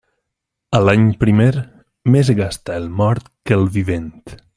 A l'any primer, més gasta el mort que el vivent.